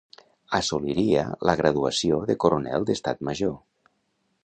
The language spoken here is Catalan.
Assoliria la graduació de coronel d'Estat Major.